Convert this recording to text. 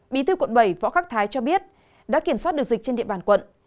bí thư quận bảy võ khắc thái cho biết đã kiểm soát được dịch trên địa bàn quận